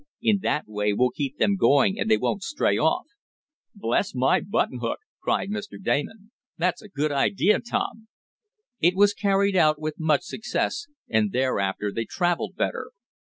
In that way we'll keep them going and they won't stray off." "Bless my button hook!" cried Mr. Damon. "That's a good idea, Tom!" It was carried out with much success, and thereafter they traveled better.